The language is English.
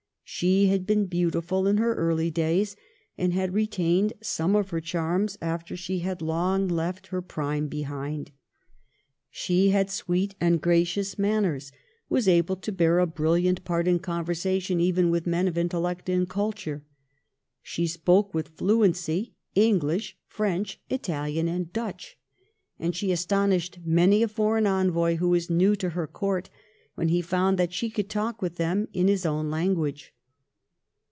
She had been beautiful in her early days, and had retained some of her charms after she had long left her prime behind. She had sweet and gracious manners ; was able to bear a brilliant part in conversation even with men of intellect and culture. She spoke with fluency English, French, Italian, and Dutch, and she aston ished many a foreign envoy, who was new to her court, when he found that she could talk with him in his own language.